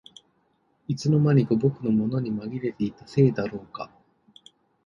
いつの間にか僕のものにまぎれていたせいだろうか